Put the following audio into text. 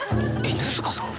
犬塚さん？